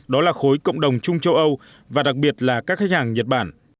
đó là khối cộng đồng chung châu âu và đặc biệt là các khách hàng nhật bản